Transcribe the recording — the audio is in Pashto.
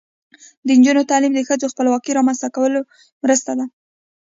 د نجونو تعلیم د ښځو خپلواکۍ رامنځته کولو مرسته ده.